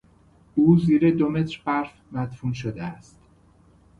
او زیر دو متر برف مدفون شده است.